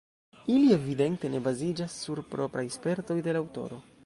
Ili evidente ne baziĝas sur propraj spertoj de la aŭtoro.